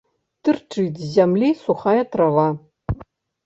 Тырчыць з зямлі сухая трава.